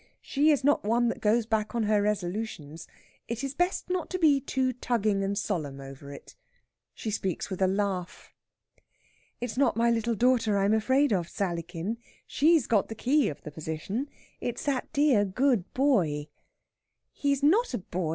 She is not one that goes back on her resolutions. It is best not to be too tugging and solemn over it. She speaks with a laugh. "It's not my little daughter I'm afraid of, Sallykin. She's got the key of the position. It's that dear good boy." "He's not a boy.